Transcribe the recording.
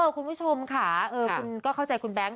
คุณผู้ชมค่ะคุณก็เข้าใจคุณแบงค